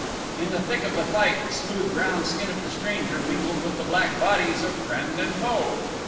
In the thick of the fight the smooth brown skin of the stranger mingled with the black bodies of friend and foe.